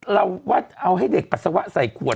เราว่าเอาให้เด็กปัสสาวะใส่ขวด